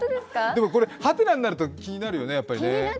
でもこれ、ハテナになると気になるよね。